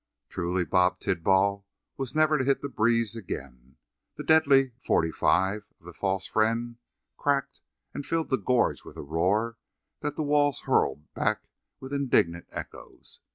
Truly Bob Tidball was never to "hit the breeze" again. The deadly .45 of the false friend cracked and filled the gorge with a roar that the walls hurled back with indignant echoes.